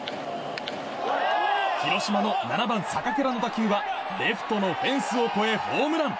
広島の７番、坂倉の打球はレフトのフェンスを越えホームラン！